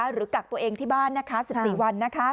หรือกักตัวเองที่บ้านนะคะ๑๔วัน